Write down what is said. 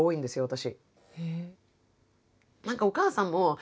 私。